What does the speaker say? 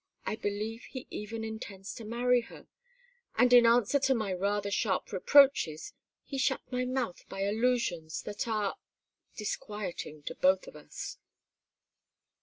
I believe he even intends to marry her and in answer to my rather sharp reproaches he shut my mouth by allusions that are disquieting to both of us."